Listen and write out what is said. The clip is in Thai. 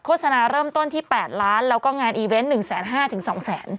โฆษณาเริ่มต้นที่๘ล้านบาทแล้วก็งานอีเวนต์๑๕๐๐๐๐บาทถึง๒๐๐๐๐๐บาท